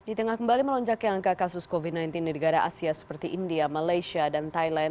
di tengah kembali melonjaknya angka kasus covid sembilan belas di negara asia seperti india malaysia dan thailand